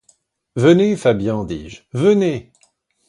Venez, Fabian, dis-je, venez !